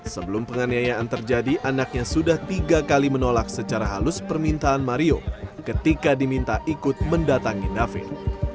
sebelum penganiayaan terjadi anaknya sudah tiga kali menolak secara halus permintaan mario ketika diminta ikut mendatangi david